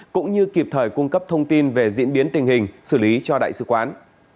cũng như kịp thời cung cấp thông tin về diễn biến tình hình xử lý cho đại sứ quán